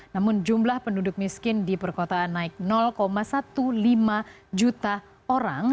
namun jumlah penduduk miskin di perkotaan naik lima lima belas juta orang